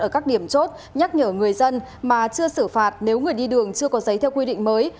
ở các điểm chốt nhắc nhở người dân mà chưa xử phạt nếu người đi đường chưa có giấy theo quy định mới